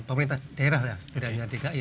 pemerintah daerah ya tidak hanya dki